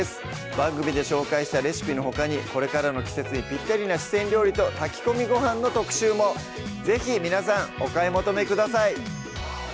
番組で紹介したレシピのほかにこれからの季節にぴったりな四川料理と炊き込みごはんの特集も是非皆さんお買い求めください